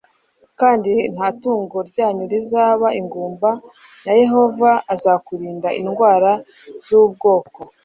kandi nta tungo ryanyu rizaba ingumba n Yehova azakurinda indwara z ubwoko